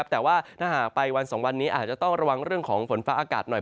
แต่ว่าถ้าหากไปวัน๒วันนี้อาจจะต้องระวังเรื่องของฝนฟ้าอากาศหน่อย